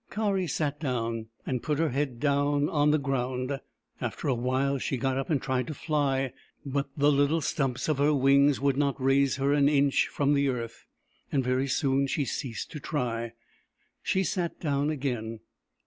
Kari sat down and put her head dowTi on the ground. After a while she got up and tried to fly, but the little stumps of her wings would not raise her an inch from the earth, and very soon she ceased to try. She sat down again.